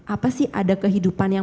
apa sih ada kehidupan yang